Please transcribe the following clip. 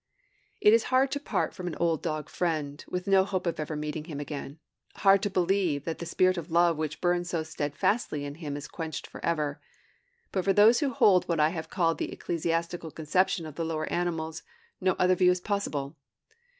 It is hard to part from an old dog friend with no hope of ever meeting him again, hard to believe that the spirit of love which burned so steadfastly in him is quenched forever. But for those who hold what I have called the ecclesiastical conception of the lower animals, no other view is possible.